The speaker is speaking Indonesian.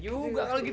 tunggu tunggu aja nih